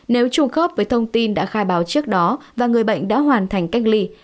nếu trùng khớp với thông tin đã khai báo trước đó và người bệnh đã hoàn thành cách ly